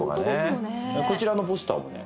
こちらのポスターもね